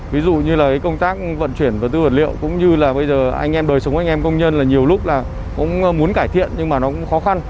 ví dụ như là công tác vận chuyển vật tư vật liệu cũng như là bây giờ anh em đời sống anh em công nhân là nhiều lúc là cũng muốn cải thiện nhưng mà nó cũng khó khăn